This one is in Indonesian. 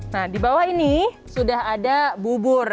nah di bawah ini sudah ada bubur